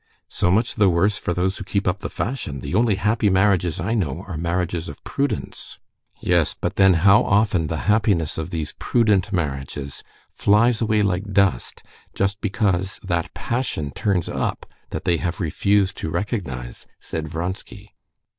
"So much the worse for those who keep up the fashion. The only happy marriages I know are marriages of prudence." "Yes, but then how often the happiness of these prudent marriages flies away like dust just because that passion turns up that they have refused to recognize," said Vronsky.